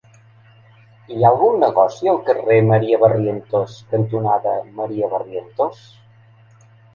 Hi ha algun negoci al carrer Maria Barrientos cantonada Maria Barrientos?